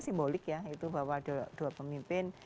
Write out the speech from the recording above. simbolik ya itu bahwa ada dua pemimpin